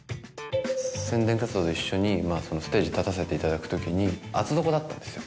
宣伝活動で一緒にステージ立たせていただくときに厚底だったんですよ